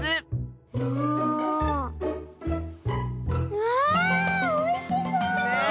うわあおいしそう！